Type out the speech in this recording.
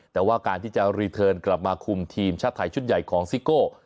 แต่ว่าการที่จะรีเทิร์นกลับมาคุมทีมชาติไทยชุดใหญ่ของซิโก้